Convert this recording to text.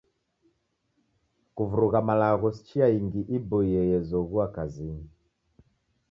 Kuvurugha malagho si chia ingi iboie ezoghua kazinyi.